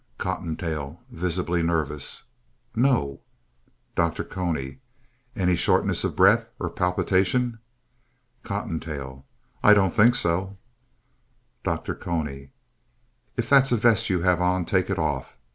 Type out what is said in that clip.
COTTONTAIL (visibly nervous) No. DR. CONY Any shortness of breath or palpitation? COTTONTAIL I don't think so. DR. CONY If that's a vest you have on, take it off.